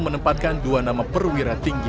menempatkan dua nama perwira tinggi